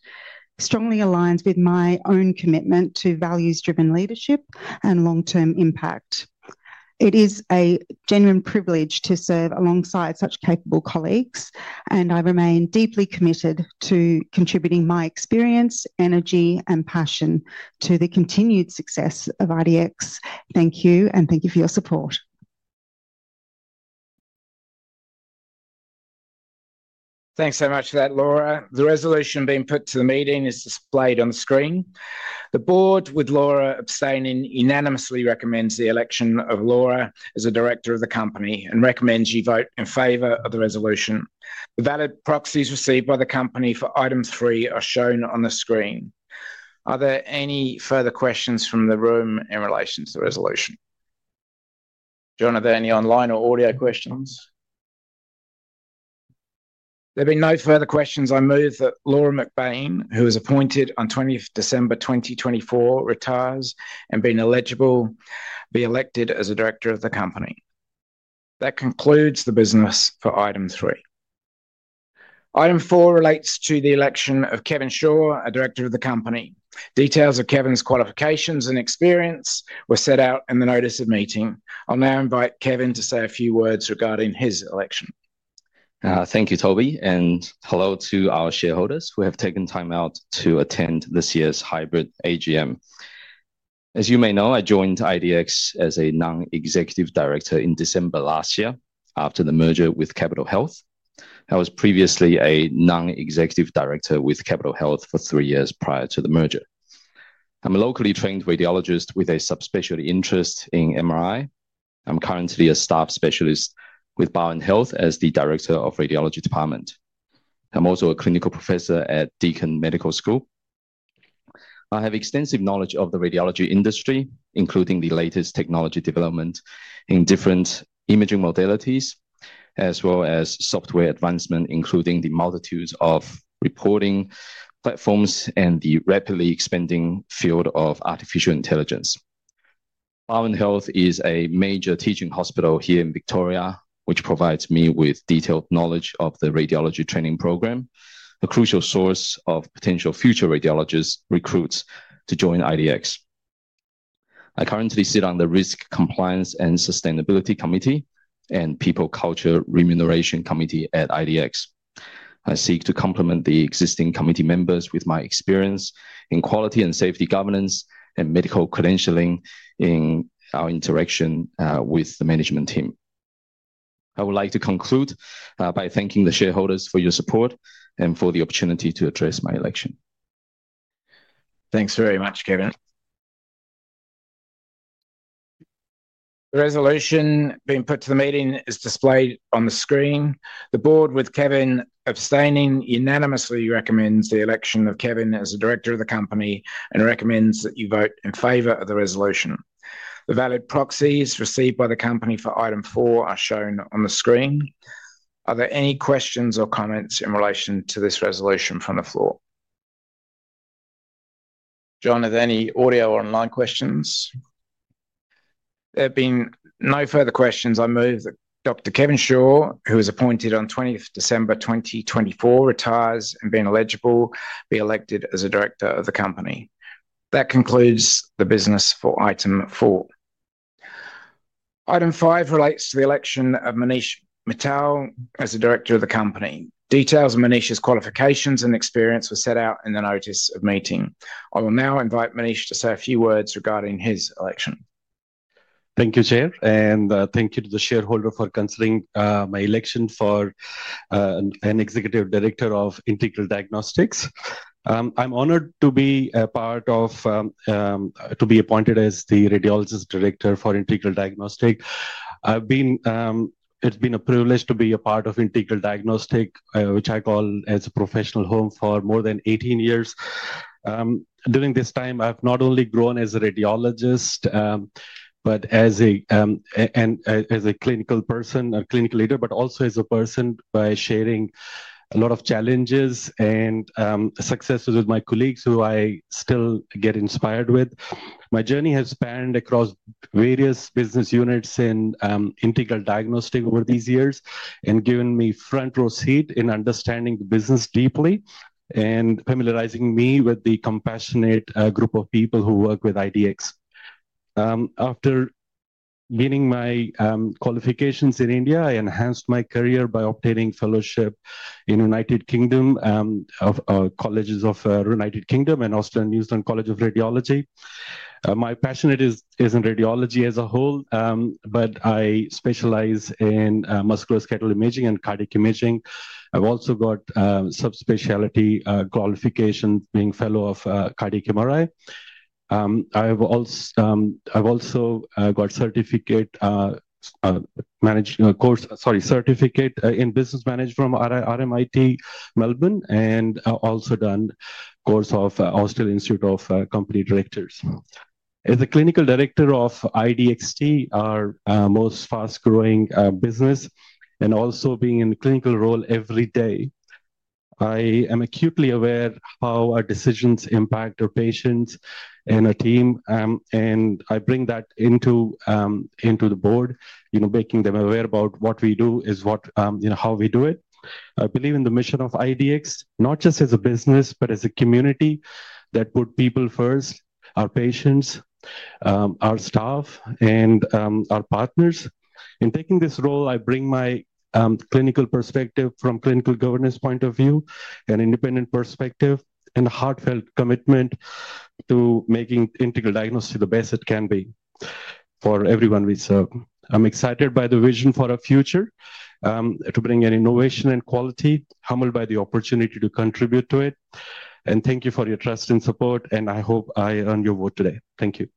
strongly aligns with my own commitment to values-driven leadership and long-term impact. It is a genuine privilege to serve alongside such capable colleagues, and I remain deeply committed to contributing my experience, energy, and passion to the continued success of IDX. Thank you, and thank you for your support. Thanks so much for that, Laura. The resolution being put to the meeting is displayed on the screen. The board, with Laura abstaining, unanimously recommends the election of Laura as a director of the company and recommends you vote in favor of the resolution. The valid proxies received by the company for item three are shown on the screen. Are there any further questions from the room in relation to the resolution? John, are there any online or audio questions? There've been no further questions. I move that Laura McBain, who was appointed on 20th December 2024, retires and be elected as a director of the company. That concludes the business for item three. Item four relates to the election of Kevin Shaw, a director of the company. Details of Kevin's qualifications and experience were set out in the notice of meeting. I'll now invite Kevin to say a few words regarding his election. Thank you, Toby. Hello to our shareholders who have taken time out to attend this year's hybrid AGM. As you may know, I joined IDX as a non-executive director in December last year after the merger with Capital Health. I was previously a non-executive director with Capital Health for three years prior to the merger. I'm a locally trained radiologist with a subspecialty interest in MRI. I'm currently a staff specialist with Barwon Health as the Director of the Radiology Department. I'm also a Clinical Professor at Deakin Medical School. I have extensive knowledge of the radiology industry, including the latest technology development in different imaging modalities, as well as software advancement, including the multitudes of reporting platforms and the rapidly expanding field of artificial intelligence. Barwon Health is a major teaching hospital here in Victoria, which provides me with detailed knowledge of the radiology training program, a crucial source of potential future radiologist recruits to join IDX. I currently sit on the Risk Compliance and Sustainability Committee and People Culture Remuneration Committee at IDX. I seek to complement the existing committee members with my experience in quality and safety governance and medical credentialing in our interaction with the management team. I would like to conclude by thanking the shareholders for your support and for the opportunity to address my election. Thanks very much, Kevin. The resolution being put to the meeting is displayed on the screen. The board, with Kevin abstaining, unanimously recommends the election of Kevin as a director of the company and recommends that you vote in favor of the resolution. The valid proxies received by the company for item four are shown on the screen. Are there any questions or comments in relation to this resolution from the floor? John, are there any audio or online questions? There've been no further questions. I move that Dr. Kevin Shaw, who was appointed on 20th December 2024, retires and be elected as a director of the company. That concludes the business for item four. Item five relates to the election of Manish Mittal as a director of the company. Details of Manish's qualifications and experience were set out in the notice of meeting. I will now invite Manish to say a few words regarding his election. Thank you, Chair. Thank you to the shareholders for considering my election for an Executive Director of Integral Diagnostics. I'm honored to be a part of, to be appointed as the Radiologist Director for Integral Diagnostics. It's been a privilege to be a part of Integral Diagnostics, which I call a professional home for more than 18 years. During this time, I've not only grown as a radiologist but as a. Clinical person or clinical leader, but also as a person by sharing a lot of challenges and successes with my colleagues who I still get inspired with. My journey has spanned across various business units in Integral Diagnostics Ltd over these years and given me front-row seat in understanding the business deeply and familiarizing me with the compassionate group of people who work with IDX. After gaining my qualifications in India, I enhanced my career by obtaining fellowship in the United Kingdom. Colleges of the United Kingdom and the Australian New Zealand College of Radiologists. My passion isn't radiology as a whole, but I specialize in musculoskeletal imaging and cardiac imaging. I've also got subspecialty qualifications being Fellow of Cardiac MRI. I've also got a certificate in business management from RMIT Melbourne and also done a course at the Australian Institute of Company Directors. As a Clinical Director of IDXT, our most fast-growing business, and also being in a clinical role every day, I am acutely aware of how our decisions impact our patients and our team, and I bring that into the board, making them aware about what we do is how we do it. I believe in the mission of IDX, not just as a business, but as a community that puts people first, our patients, our staff, and our partners. In taking this role, I bring my clinical perspective from a clinical governance point of view, an independent perspective, and a heartfelt commitment to making Integral Diagnostics Ltd the best it can be for everyone we serve. I'm excited by the vision for our future to bring innovation and quality, humbled by the opportunity to contribute to it. Thank you for your trust and support, and I hope I earned your vote today. Thank you.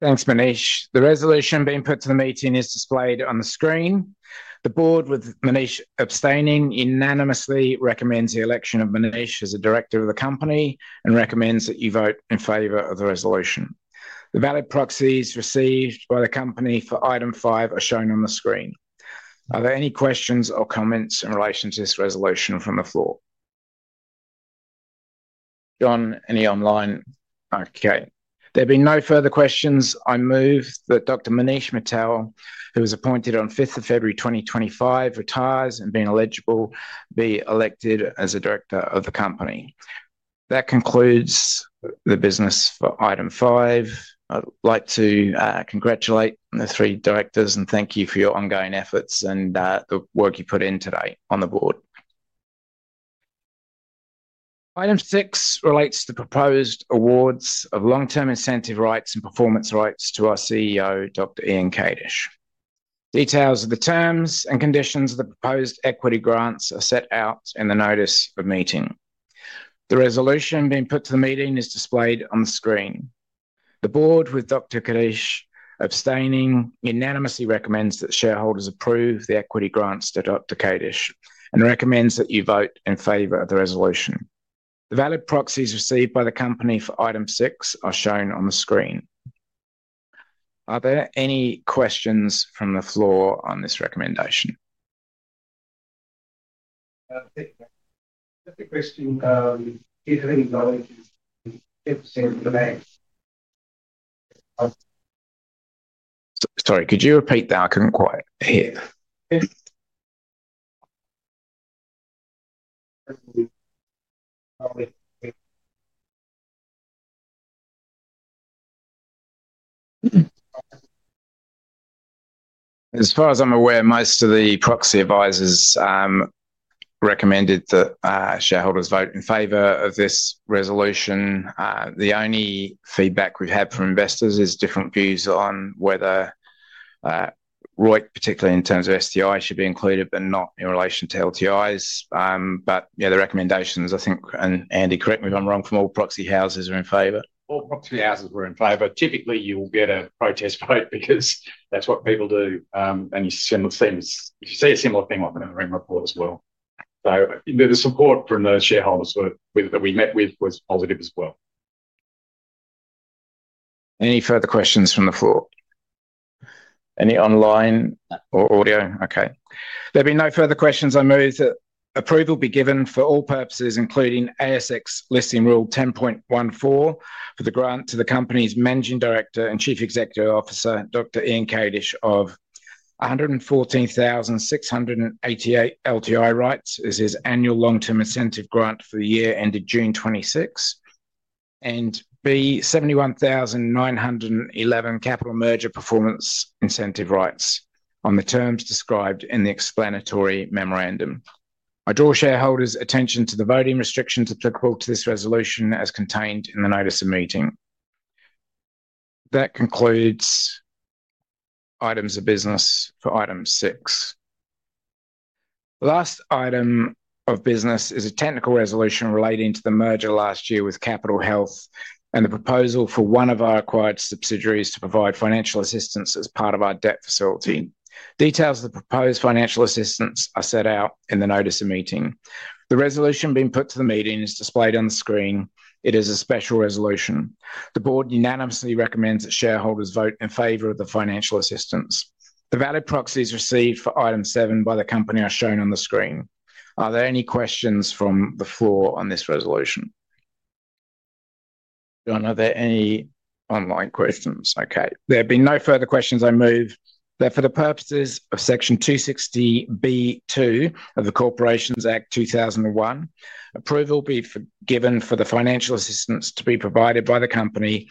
Thanks, Manish. The resolution being put to the meeting is displayed on the screen. The board, with Manish abstaining, unanimously recommends the election of Manish as a director of the company and recommends that you vote in favor of the resolution. The valid proxies received by the company for item five are shown on the screen. Are there any questions or comments in relation to this resolution from the floor? John, any online? Okay. There've been no further questions. I move that Dr. Manish Mittal, who was appointed on 5th February 2025, retires and be elected as a director of the company. That concludes the business for item five. I'd like to congratulate the three directors and thank you for your ongoing efforts and the work you put in today on the board. Item six relates to proposed awards of long-term incentive rights and performance rights to our CEO, Dr. Ian Kadish. Details of the terms and conditions of the proposed equity grants are set out in the notice of meeting. The resolution being put to the meeting is displayed on the screen. The board, with Dr. Kadish abstaining, unanimously recommends that shareholders approve the equity grants to Dr. Kadish and recommends that you vote in favor of the resolution. The valid proxies received by the company for item six are shown on the screen. Are there any questions from the floor on this recommendation? Just a question. Do you have any knowledge of incentive grants? Sorry, could you repeat that? I couldn't quite hear. As far as I'm aware, most of the proxy advisors recommended that shareholders vote in favor of this resolution. The only feedback we've had from investors is different views on whether ROIC, particularly in terms of SDI, should be included but not in relation to LTIs. The recommendations, I think, and Andy, correct me if I'm wrong, from all proxy houses are in favor? All proxy houses were in favor. Typically, you will get a protest vote because that's what people do. If you see a similar thing, I'll put it in the ring report as well. The support from those shareholders that we met with was positive as well. Any further questions from the floor? Any online or audio? There've been no further questions. I move that approval be given for all purposes, including ASX-listing rule 10.14, for the grant to the company's Managing Director and Chief Executive Officer, Dr. Ian Kadish, of 114,688 LTI rights as his annual long-term incentive grant for the year ended June 2026, and 71,911 capital merger performance incentive rights on the terms described in the explanatory memorandum. I draw shareholders' attention to the voting restrictions applicable to this resolution as contained in the notice of meeting. That concludes items of business for item six. The last item of business is a technical resolution relating to the merger last year with Capital Health and the proposal for one of our acquired subsidiaries to provide financial assistance as part of our debt facility. Details of the proposed financial assistance are set out in the notice of meeting. The resolution being put to the meeting is displayed on the screen. It is a special resolution. The board unanimously recommends that shareholders vote in favor of the financial assistance. The valid proxies received for item seven by the company are shown on the screen. Are there any questions from the floor on this resolution? John, are there any online questions? Okay. There've been no further questions. I move that for the purposes of Section 260(b)(2) of the Corporations Act 2001, approval be given for the financial assistance to be provided by the company's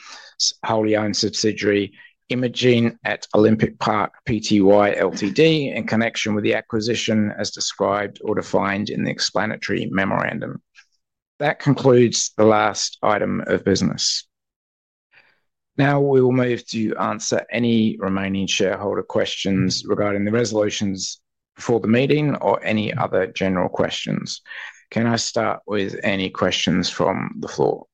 wholly-owned subsidiary, Imagine at Olympic Park Pty Ltd, in connection with the acquisition as described or defined in the explanatory memorandum. That concludes the last item of business. Now we will move to answer any remaining shareholder questions regarding the resolutions before the meeting or any other general questions. Can I start with any questions from the floor?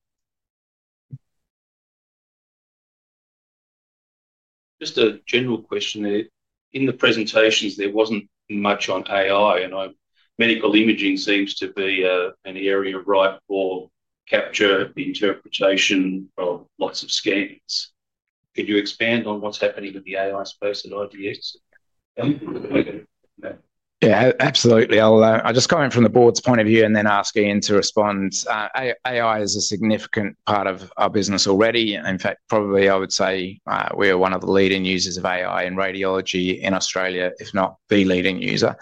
Just a general question. In the presentations, there wasn't much on AI, and medical imaging seems to be an area right for capture interpretation of lots of scans. Could you expand on what's happening in the AI space at IDX? Yeah, absolutely. I'll just go in from the board's point of view and then ask Ian to respond. AI is a significant part of our business already. In fact, probably, I would say we are one of the leading users of AI in radiology in Australia, if not the leading user.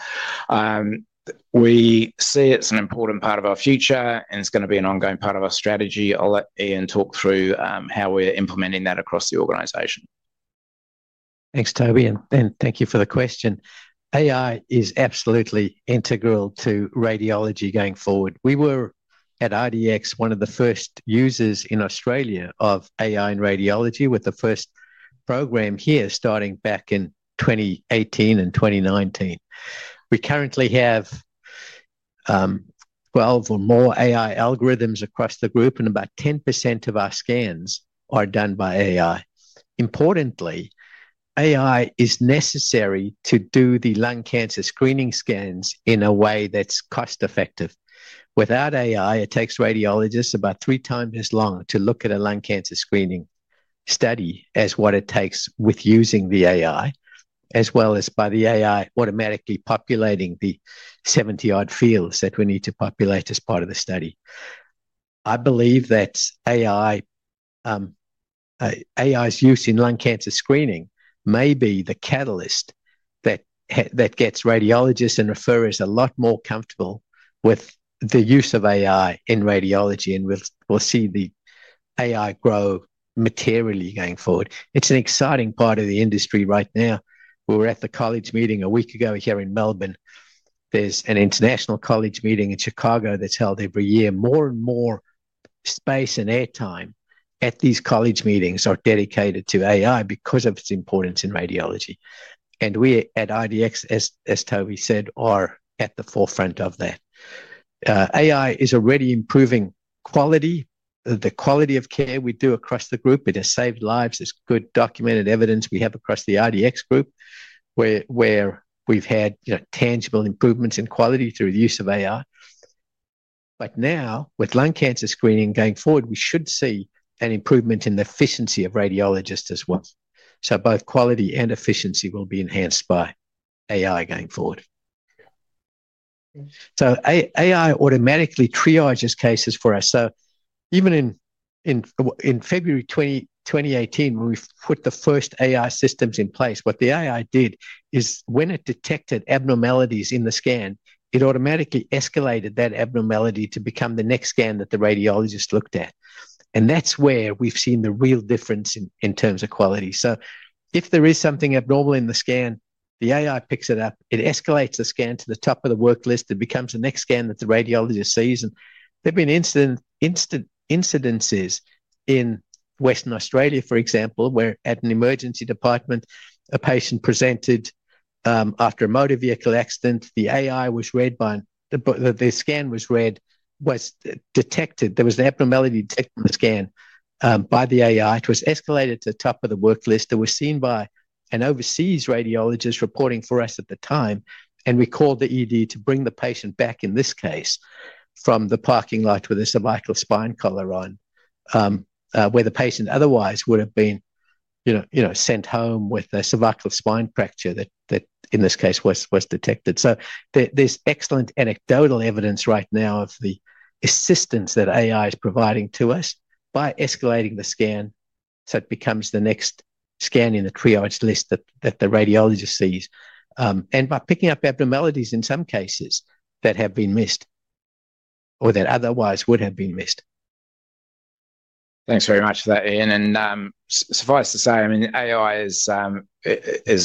We see it's an important part of our future, and it's going to be an ongoing part of our strategy. I'll let Ian talk through how we're implementing that across the organization. Thanks, Toby, and thank you for the question. AI is absolutely integral to radiology going forward. We were at IDX one of the first users in Australia of AI and radiology, with the first program here starting back in 2018 and 2019. We currently have 12 or more AI algorithms across the group, and about 10% of our scans are done by AI. Importantly, AI is necessary to do the lung cancer screening scans in a way that's cost-effective. Without AI, it takes radiologists about three times as long to look at a lung cancer screening study as what it takes with using the AI, as well as by the AI automatically populating the 70-odd fields that we need to populate as part of the study. I believe that AI's use in lung cancer screening may be the catalyst that gets radiologists and referrers a lot more comfortable with the use of AI in radiology, and we'll see the AI grow. Materially going forward. It's an exciting part of the industry right now. We were at the college meeting a week ago here in Melbourne. There's an international college meeting in Chicago that's held every year. More and more space and airtime at these college meetings are dedicated to AI because of its importance in radiology. We at IDX, as Toby said, are at the forefront of that. AI is already improving the quality of care we do across the group. It has saved lives. There's good documented evidence we have across the IDX group where we've had tangible improvements in quality through the use of AI. Now, with lung cancer screening going forward, we should see an improvement in the efficiency of radiologists as well. Both quality and efficiency will be enhanced by AI going forward. AI automatically triages cases for us. Even in February 2018, when we put the first AI systems in place, what the AI did is when it detected abnormalities in the scan, it automatically escalated that abnormality to become the next scan that the radiologist looked at. That's where we've seen the real difference in terms of quality. If there is something abnormal in the scan, the AI picks it up. It escalates the scan to the top of the worklist. It becomes the next scan that the radiologist sees. There've been incidences in Western Australia, for example, where at an emergency department, a patient presented after a motor vehicle accident. The scan was read, there was an abnormality detected in the scan by the AI. It was escalated to the top of the worklist. It was seen by an overseas radiologist reporting for us at the time, and we called the ED to bring the patient back in this case from the parking lot with a cervical spine collar on, where the patient otherwise would have been sent home with a cervical spine fracture that, in this case, was detected. There's excellent anecdotal evidence right now of the assistance that AI is providing to us by escalating the scan so it becomes the next scan in the triage list that the radiologist sees, and by picking up abnormalities in some cases that have been missed or that otherwise would have been missed. Thanks very much for that, Ian. Suffice to say, AI is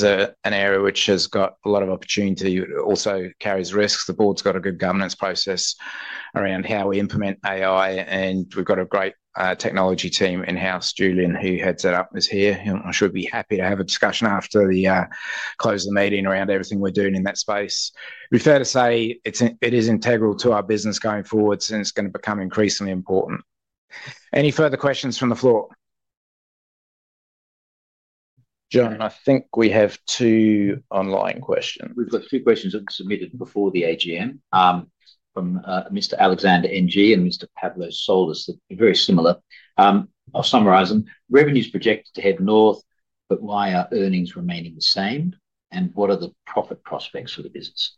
an area which has got a lot of opportunity, also carries risks. The board's got a good governance process around how we implement AI, and we've got a great technology team in-house. Julian, who heads it up, is here. I should be happy to have a discussion after we close the meeting around everything we're doing in that space. Refer to say it is integral to our business going forward, and it's going to become increasingly important. Any further questions from the floor? John, I think we have two online questions. We've got two questions submitted before the AGM from Mr. Alexander Ng and Mr. Pablo Solis, very similar. I'll summarise them. Revenues projected to head north, but why are earnings remaining the same, and what are the profit prospects for the business?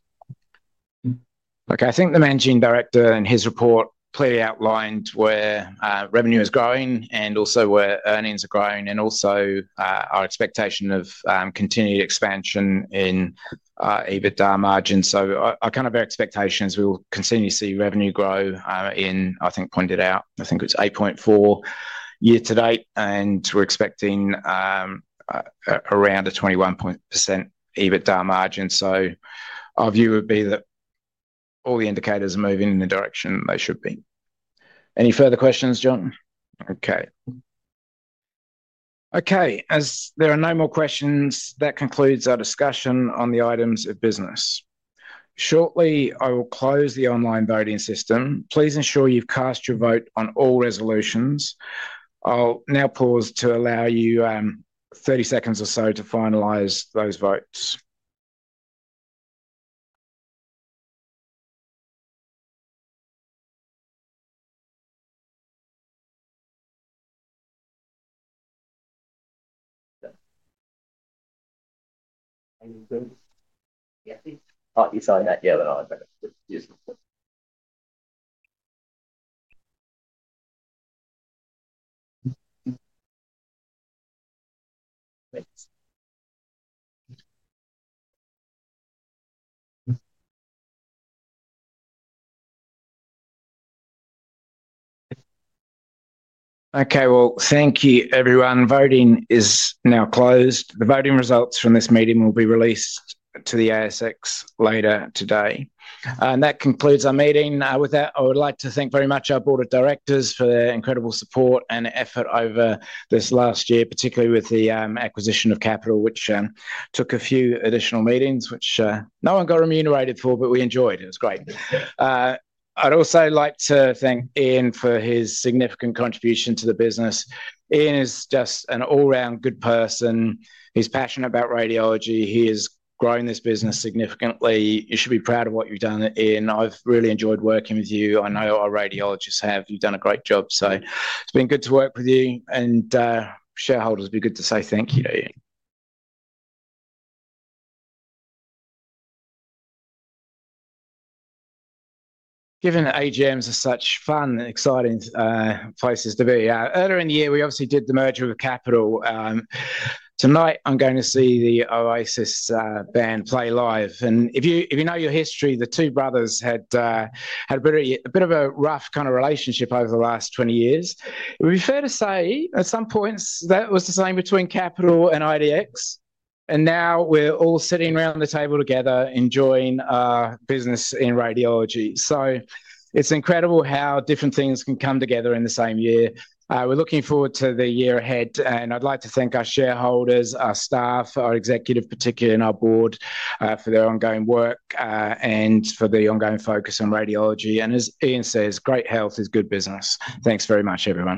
Okay. I think the Managing Director in his report clearly outlined where revenue is growing and also where earnings are growing, and also our expectation of continued expansion in EBITDA margin. Our kind of expectation is we will continue to see revenue grow in, I think, pointed out, I think it was 8.4% year to date, and we're expecting around a 21% EBITDA margin. Our view would be that all the indicators are moving in the direction they should be. Any further questions, John? Okay. As there are no more questions, that concludes our discussion on the items of business. Shortly, I will close the online voting system. Please ensure you've cast your vote on all resolutions. I'll now pause to allow you 30 seconds or so to finalize those votes. Oh, you saw that. Yeah, that's useful. Okay, thank you, everyone. Voting is now closed. The voting results from this meeting will be released to the ASX later today. That concludes our meeting. I would like to thank very much our Board of Directors for their incredible support and effort over this last year, particularly with the acquisition of Capital Health, which took a few additional meetings, which no one got remunerated for, but we enjoyed it. It was great. I'd also like to thank Ian for his significant contribution to the business. Ian is just an all-round good person. He's passionate about radiology. He has grown this business significantly. You should be proud of what you've done, Ian. I've really enjoyed working with you. I know our radiologists have. You've done a great job. It's been good to work with you. Shareholders will be good to say thank you to Ian. Given that AGMs are such fun and exciting places to be, earlier in the year, we obviously did the merger of Capital Health. Tonight, I'm going to see the Oasis Band play live. If you know your history, the two brothers had a bit of a rough kind of relationship over the last 20 years. Would it be fair to say at some points that was the same between Capital Health and Integral Diagnostics Ltd? Now we're all sitting around the table together, enjoying our business in radiology. It's incredible how different things can come together in the same year. We're looking forward to the year ahead. I'd like to thank our shareholders, our staff, our executive, particularly our board, for their ongoing work and for the ongoing focus on radiology. As Ian says, great health is good business. Thanks very much, everyone.